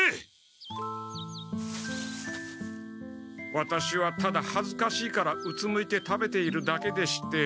ワタシはただはずかしいからうつむいて食べているだけでして。